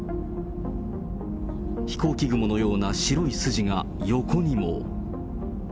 飛行機雲のような白い筋が横にも。